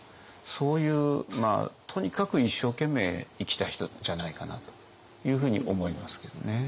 そういうとにかく一生懸命生きた人じゃないかなというふうに思いますけどね。